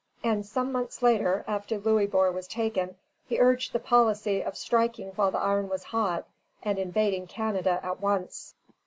_] And, some months later, after Louisbourg was taken, he urged the policy of striking while the iron was hot, and invading Canada at once.